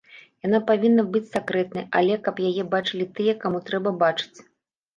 Яна павінна быць сакрэтнай, але, каб яе бачылі тыя, каму трэба бачыць.